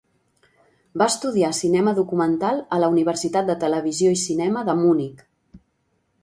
Va estudiar cinema documental a la Universitat de Televisió i Cinema de Munic.